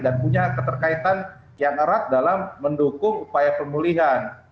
dan punya keterkaitan yang erat dalam mendukung upaya pemulihan